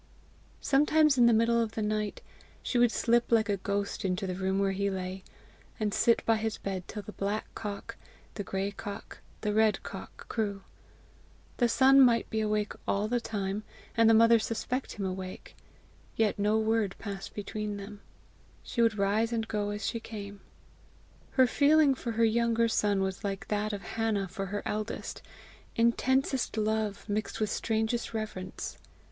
Sometimes in the middle of the night she would slip like a ghost into the room where he lay, and sit by his bed till the black cock, the gray cock, the red cock crew. The son might be awake all the time, and the mother suspect him awake, yet no word pass between them. She would rise and go as she came. Her feeling for her younger son was like that of Hannah for her eldest intensest love mixed with strangest reverence.